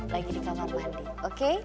lagi di kamar mandi